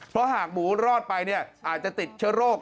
เพราะหากหมูรอดไปเนี่ยอาจจะติดเชื้อโรค